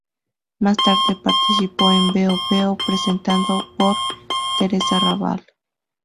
Más tarde participó en "Veo Veo", presentado por Teresa Rabal.